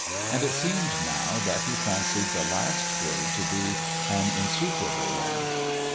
And it seemed, now, that he fancied the last grade to be an insuperable one.